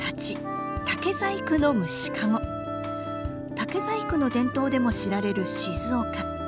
竹細工の伝統でも知られる静岡。